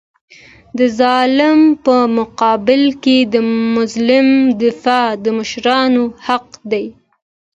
د ظالم په مقابل کي د مظلوم دفاع د مشرانو حق دی.